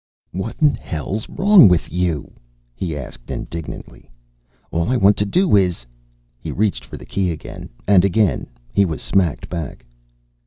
"What in hell's wrong with you?" he asked indignantly. "All I want to do is " He reached for the key again, and again he was smacked back.